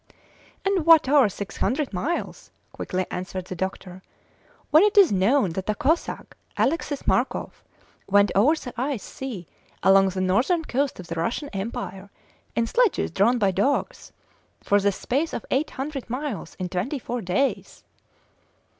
"And what are six hundred miles?" quickly answered the doctor, "when it is known that a Cossack, Alexis Markoff, went over the ice sea along the northern coast of the Russian Empire, in sledges drawn by dogs, for the space of eight hundred miles in twenty four days?"